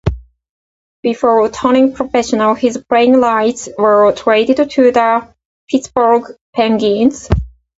Before turning professional, his playing rights were traded to the Pittsburgh Penguins.